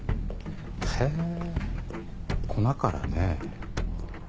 へぇ粉からねぇ。